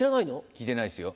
聞いてないっすよ。